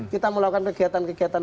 kita melakukan kegiatan kegiatan